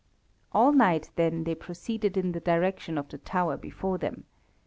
All night, then, they proceeded in the direction of the tower before them.